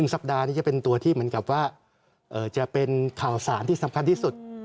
สัปดาห์นี้จะเป็นตัวที่เหมือนกับว่าจะเป็นข่าวสารที่สำคัญที่สุด